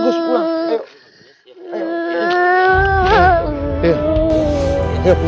udah pulang ayo udah lepasin bagus